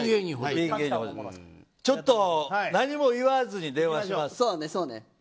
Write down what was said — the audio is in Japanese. ちょっと何も言わずに電話します。